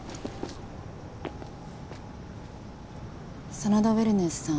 真田ウェルネスさん